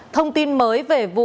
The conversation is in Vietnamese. thông tin mới về vụ báo